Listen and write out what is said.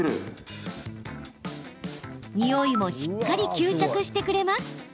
においもしっかり吸着してくれます。